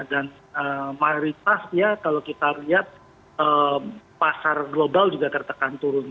dan mayoritas ya kalau kita lihat pasar global juga tertekan turun